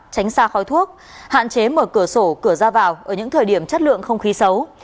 tránh xa khói thuốc hạn chế mở cửa sổ cửa ra vào ở những thời điểm chất lượng không khí xấu